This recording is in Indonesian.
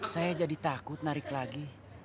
saya jadi takut narik lagi